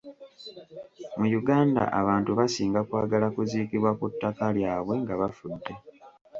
Mu Uganda abantu basinga kwagala kuziikibwa ku ttaka lyabwe nga bafudde.